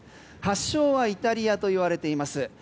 発祥はイタリアといわれています。